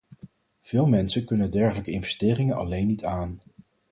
Veel mensen kunnen dergelijke investeringen alleen niet aan.